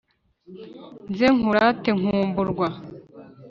nze nkurate nkumburwa